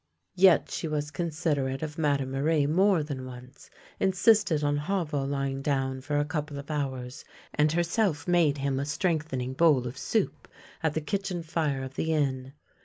Yet she was considerate of Madame Marie more than once, insisted on Havel lying down for a couple of hours, and herself made him a strengthening bowl of soup at the kitchen fire of the inn.